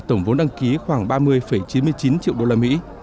tổng vốn đăng ký khoảng ba mươi chín mươi chín triệu đô la mỹ